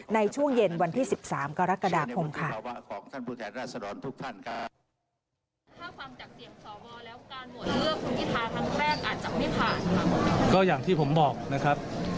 ในช่วงเย็นวันที่๑๓กรกฎาคมค่ะ